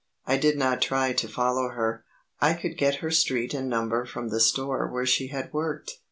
I did not try to follow her. I could get her street and number from the store where she had worked.